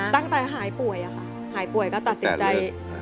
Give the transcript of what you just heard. ตั้งแต่หายป่วยอะค่ะหายป่วยก็ตัดสินใจ